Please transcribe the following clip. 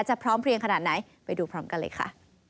พร้อมเพลียงขนาดไหนไปดูพร้อมกันเลยค่ะ